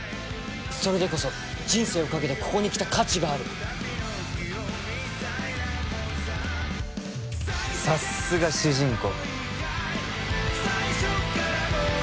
それでこそ人生をかけてここに来た価値があるさっすが主人公